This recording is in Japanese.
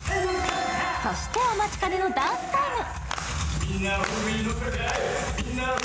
そしてお待ちかねのダンスタイム！